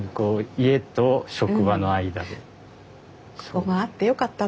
ここがあってよかったわ。